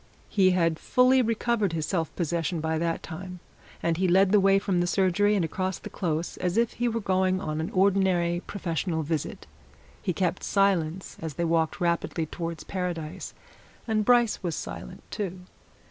He had fully recovered his self possession by that time, and he led the way from the surgery and across the Close as if he were going on an ordinary professional visit. He kept silence as they walked rapidly towards Paradise, and Bryce was silent, too.